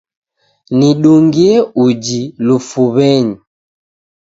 Nidungie uji lufuw'enyi.